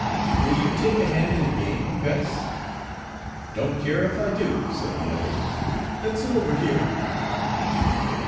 "Will you take a hand in a game, Gus?" "Don't care if I do," said the other. "Let's sit over here."